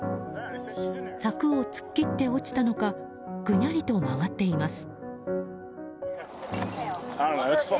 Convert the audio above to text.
柵を突っ切って落ちたのかぐにゃりと曲がっています。